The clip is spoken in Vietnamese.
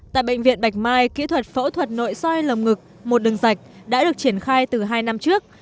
tại bệnh viện bạch mai kỹ thuật phẫu thuật nội soi lồng ngực một đường dạch đã được triển khai từ hai năm trước